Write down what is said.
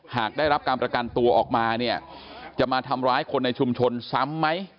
หากได้รับการประกันตัวออกมาเนี่ยจะมาทำร้ายคนในชุมชนซ้ำไหม